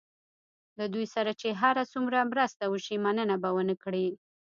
له دوی سره چې هر څومره مرسته وشي مننه به ونه کړي.